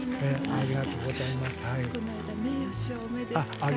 ありがとうございます。